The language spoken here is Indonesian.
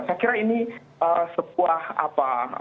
saya kira ini sebuah apa